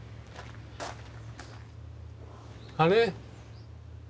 あれ？